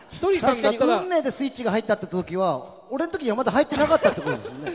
確かに「運命」でスイッチが入ったということは俺の時にはまだ入ってなかったってことですよね。